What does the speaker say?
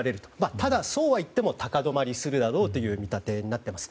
ただ、そうはいっても高止まりするだろうという見立てになっています。